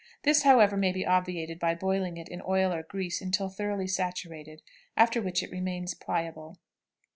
This, however, may be obviated by boiling it in oil or grease until thoroughly saturated, after which it remains pliable.